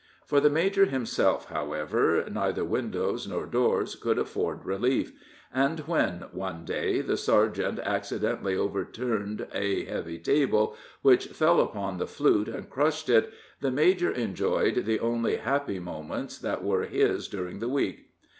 For the major himself, however, neither windows nor doors could afford relief; and when, one day, the sergeant accidentally overturned a heavy table, which fell upon the flute and crushed it, the major enjoyed the only happy moments that were his during the week.